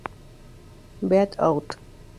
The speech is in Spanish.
Beat Out!